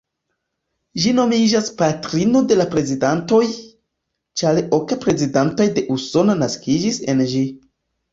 Ĝi nomiĝas "patrino de la prezidentoj", ĉar ok prezidentoj de Usono naskiĝis en ĝi.